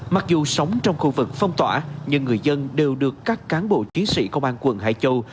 mặc dù sống trong khu vực phong tỏa nhưng người dân đều được các cán bộ chiến sĩ công an quận hải châu